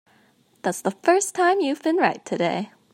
That's the first time you've been right today.